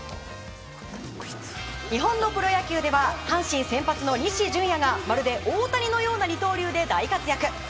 日本のプロ野球では阪神先発の西純矢がまるで大谷のような二刀流で大活躍。